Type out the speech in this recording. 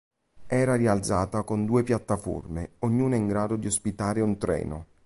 Era rialzata con due piattaforme, ognuna in grado di ospitare un treno.